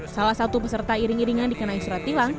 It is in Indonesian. salah satu peserta iring iringan dikenai surat tilang